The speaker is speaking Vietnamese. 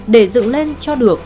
để dựng lên cho được